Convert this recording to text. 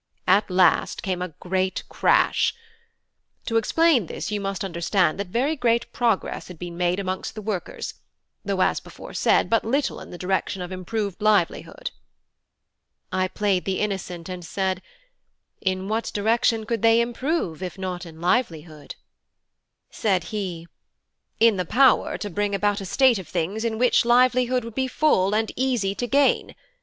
At last came a great crash. To explain this you must understand that very great progress had been made amongst the workers, though as before said but little in the direction of improved livelihood." I played the innocent and said: "In what direction could they improve, if not in livelihood?" Said he: "In the power to bring about a state of things in which livelihood would be full, and easy to gain.